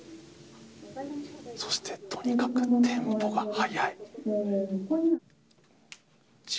そして、とにかくテンポが速い。